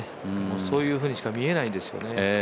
そういうふうにしか見えないんですよね。